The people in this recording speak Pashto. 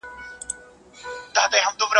انسان د کاله خوښ ښه دئ، نه د مېلمانه.